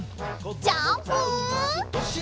ジャンプ！